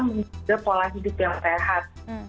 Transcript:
menjaga pola hidup yang sehat